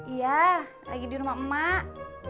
iya lagi di rumah emak emak